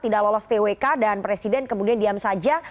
tidak lolos twk dan presiden kemudian diam saja